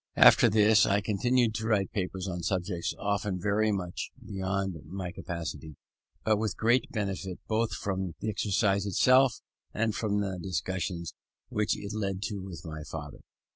After this I continued to write papers on subjects often very much beyond my capacity, but with great benefit both from the exercise itself, and from the discussions which it led to with my father.